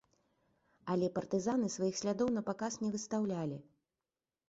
Але партызаны сваіх слядоў напаказ не выстаўлялі.